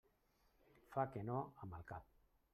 Fa que no amb el cap.